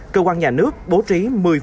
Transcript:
cơ quan nhà nước bố trí một mươi